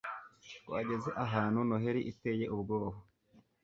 twageze ahantu noheri iteye ubwoba